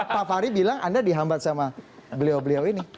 pak fahri bilang anda dihambat sama beliau beliau ini